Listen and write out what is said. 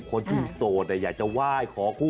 คนที่โสดอยากจะไหว้ขอคู่